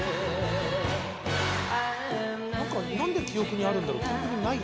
何で記憶にあるんだろう？